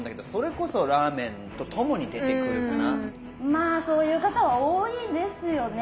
まあそういう方は多いですよね。